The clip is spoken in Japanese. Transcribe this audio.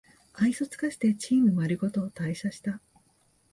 愛想つかしてチームまるごと退社した